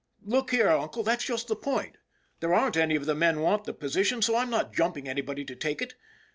" Look here, uncle, that's just the point. There aren't any of the men want the position, so I'm not jumping anybody to take it.